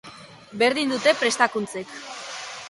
Berdin dute prestakuntzek.